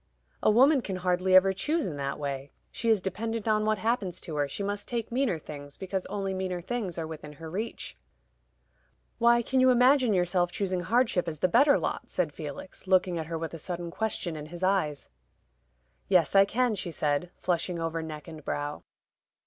"A woman can hardly ever choose in that way; she is dependent on what happens to her. She must take meaner things, because only meaner things are within her reach." "Why, can you imagine yourself choosing hardship as the better lot?" said Felix, looking at her with a sudden question in his eyes. "Yes, I can," she said, flushing over neck and brow.